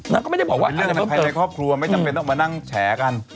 เป็นเรื่องภายในครอบครัวไม่จำเป็นต้องมานั่งแฉกัน